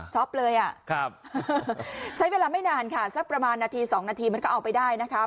เลยใช้เวลาไม่นานค่ะสักประมาณนาที๒นาทีมันก็เอาไปได้นะคะ